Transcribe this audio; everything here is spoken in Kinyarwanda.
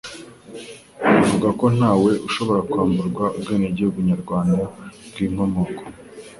ivuga ko ntawe ushobora kwamburwa ubwenegihugu nyarwanda bw'inkomoko.